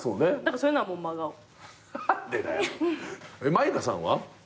舞香さんは？